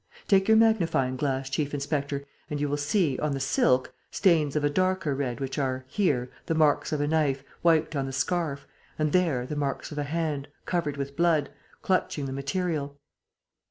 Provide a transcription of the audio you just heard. Take your magnifying glass, chief inspector, and you will see, on the silk, stains of a darker red which are, here, the marks of a knife wiped on the scarf and, there, the marks of a hand, covered with blood, clutching the material.